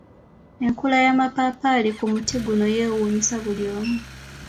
Enkula y’amapaapaali ku muti guno yeewuunyisa buli omu.